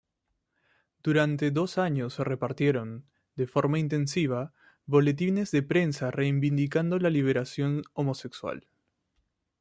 Durante dos años repartieron, en forma intensiva, boletines de prensa reivindicando la liberación homosexual.